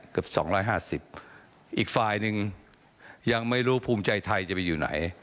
เกือบสองร้อยห้าสิบอีกฟายนึงยังไม่รู้ภูมิใจไทยจะไปอยู่ไหน